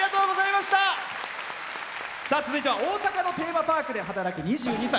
続いては大阪のテーマパークで働く２２歳。